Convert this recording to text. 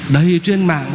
đầy trên mạng